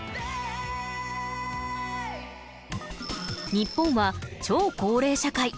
日本は超高齢社会。